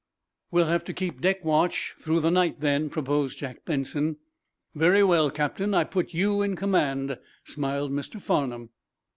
"We'll have to keep deck watch through the night, then," proposed Jack Benson. "Very well, Captain. I put you in command," smiled Mr. Farnum.